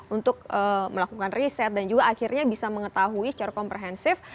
untuk melakukan riset dan juga akhirnya bisa mengetahui secara komprehensif